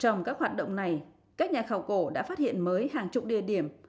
trong các hoạt động này các nhà khảo cổ đã phát hiện mới hàng chục địa điểm